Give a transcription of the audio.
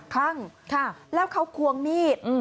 คลั่งแล้วเขาควงมีด